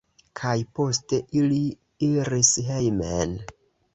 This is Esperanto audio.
Kaj poste ili iris hejmen.